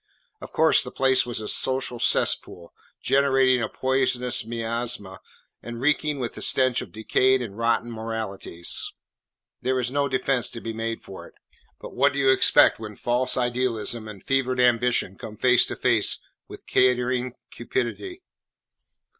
Of course, the place was a social cesspool, generating a poisonous miasma and reeking with the stench of decayed and rotten moralities. There is no defence to be made for it. But what do you expect when false idealism and fevered ambition come face to face with catering cupidity?